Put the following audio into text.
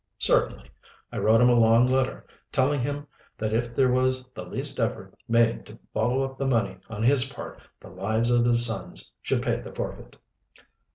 "Certainly. I wrote him a long letter, telling him that if there was the least effort made to follow up the money on his part the lives of his sons should pay the forfeit."